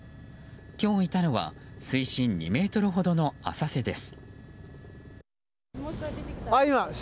今日いたのは水深２ｍほどの浅瀬です。